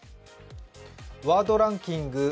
ワードランキング